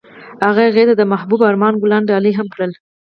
هغه هغې ته د محبوب آرمان ګلان ډالۍ هم کړل.